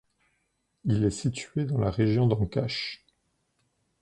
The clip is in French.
Il est situé dans la région d'Ancash.